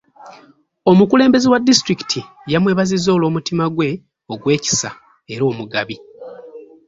Omukulembeze wa disitulikiti yamwebazizza olw'omutima gwe ogw'ekisa era omugabi.